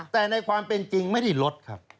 แต่ในความเป็นจริงไม่ได้ลดครับ